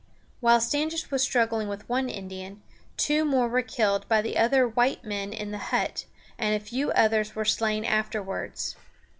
While Standish was struggling with one Indian, two more were killed by the other white men in the hut, and a few others were slain afterwards.